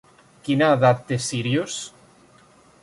Quina edat té Sírius?